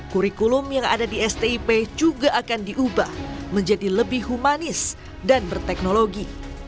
kurikulum yang ada di stip juga akan diubah menjadi lebih humanis dan berteknologi